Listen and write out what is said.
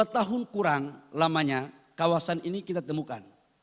dua tahun kurang lamanya kawasan ini kita temukan